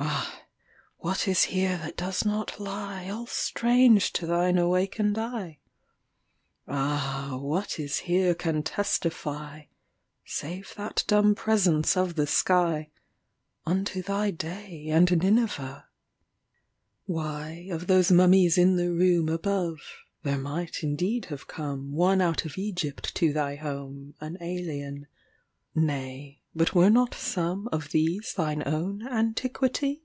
Ah! what is here that does not lieAll strange to thine awakened eye? Ah! what is here can testify(Save that dumb presence of the sky)Unto thy day and Nineveh? Why, of those mummies in the roomAbove, there might indeed have comeOne out of Egypt to thy home, An alien. Nay, but were not someOf these thine own "antiquity"?